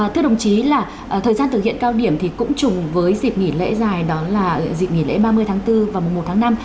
thưa đồng chí là thời gian thực hiện cao điểm thì cũng chung với dịp nghỉ lễ dài đó là dịp nghỉ lễ ba mươi tháng bốn và mùa một tháng năm